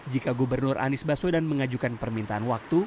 jika gubernur anies baswedan mengajukan permintaan waktu